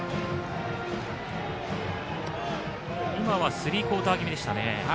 スリークオーター気味でしたね。